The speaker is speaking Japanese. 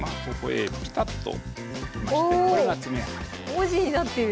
文字になってる！